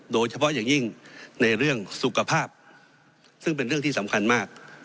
โดยเฉพาะอย่างยิ่งในเรื่องสุขภาพซึ่งเป็นเรื่องที่สำคัญมาก